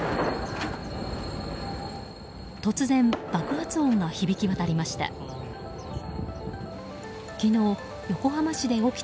突然、爆発音が響き渡りました。